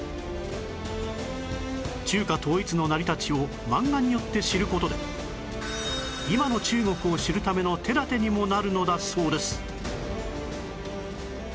中華統一の成り立ちを漫画によって知る事で今の中国を知るための手だてにもなるのだそうです